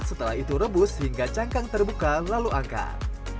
setelah itu rebus hingga cangkang terbuka lalu angkat